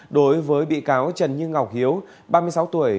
đối với bị cáo trần như ngọc hiếu ba mươi sáu tuổi